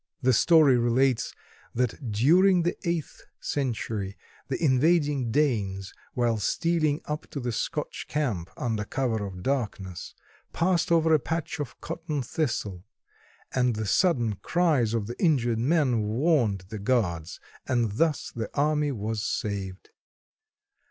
The story relates that during the eighth century the invading Danes, while stealing up to the Scotch camp under cover of darkness, passed over a patch of cotton thistle, and the sudden cries of the injured men warned the guards, and thus the army was saved.